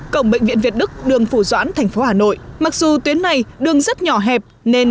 cổng bệnh viện việt đức đường phủ doãn thành phố hà nội mặc dù tuyến này đường rất nhỏ hẹp nên